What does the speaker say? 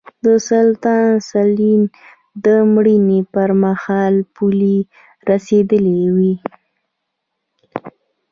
د سلطان سلین د مړینې پرمهال پولې رسېدلې وې.